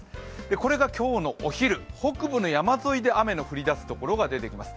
これが今日のお昼、北部の山沿いで雨の降り出すところが出てきます。